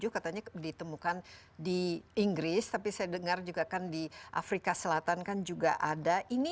katanya ditemukan di inggris tapi saya dengar di afrika selatan juga ada